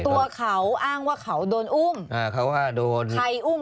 ตัวเขาอ้างว่าเขาโดนอุ้ม